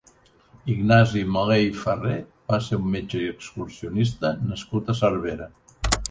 Ignasi Melé i Farré va ser un metge i excursionista nascut a Cervera.